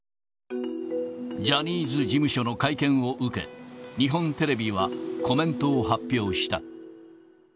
ジャニーズ事務所の会見を受け、日本テレビはコメントを発表した。